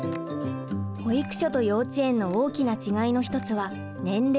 保育所と幼稚園の大きな違いの一つは年齢です。